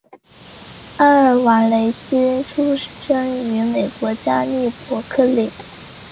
阿尔瓦雷茨生于美国加州伯克利。